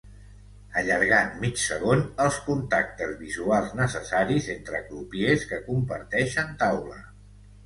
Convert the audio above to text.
Allargant mig segon els contactes visuals necessaris entre crupiers que comparteixen taula.